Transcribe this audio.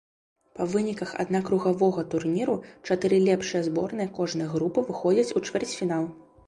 Па выніках аднакругавога турніру чатыры лепшыя зборныя кожнай групы выходзяць у чвэрцьфінал.